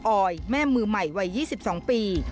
ออยแม่มือใหม่วัย๒๒ปี